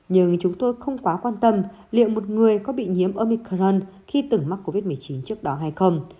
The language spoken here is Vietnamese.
nhưng chúng tôi không quá quan tâm liệu một người có bị nhiễm omicron khi từng mắc covid một mươi chín trước đó hay không